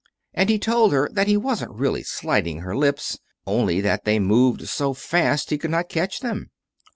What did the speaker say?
And he told her that he wasn't really slighting her lips, only that they moved so fast he could not catch them.